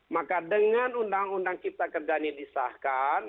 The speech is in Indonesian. maka dengan undang undang kita kerjaan yang disahkan